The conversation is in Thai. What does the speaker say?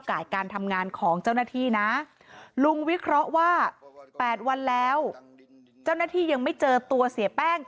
กายการทำงานของเจ้าหน้าที่นะลุงวิเคราะห์ว่าแปดวันแล้วเจ้าหน้าที่ยังไม่เจอตัวเสียแป้ง